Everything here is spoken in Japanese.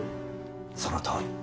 そのとおり。